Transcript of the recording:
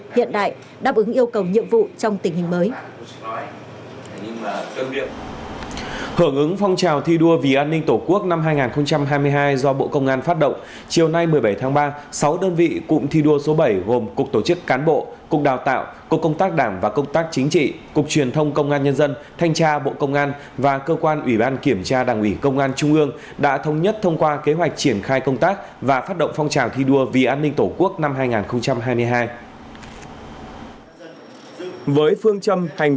hưởng ứng phong trào thi đua vì an ninh tổ quốc năm hai nghìn hai mươi hai do bộ công an phát động chiều nay một mươi bảy tháng ba sáu đơn vị cụm thi đua số bảy gồm cục tổ chức cán bộ cục đào tạo cục công tác đảng và công tác chính trị cục truyền thông công an nhân dân thanh tra bộ công an và cơ quan ủy ban kiểm tra đảng ủy công an trung ương đã thống nhất thông qua kế hoạch triển khai công tác và phát động phong trào thi đua vì an ninh tổ quốc năm hai nghìn hai mươi hai